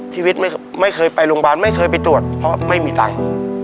ชีวิตไม่เคยไปโรงบาลไม่เคยไปตรวจพอไม่มีศัง